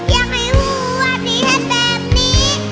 อยากให้หู้ว่าดีแค่แบบนี้